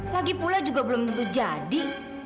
lagi pula juga belum tentu jadi